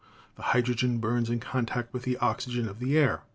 The hydrogen burns in contact with the oxygen of the air.